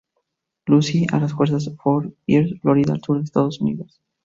Lucie, a las afueras de Fort Pierce, Florida al sur de Estados Unidos.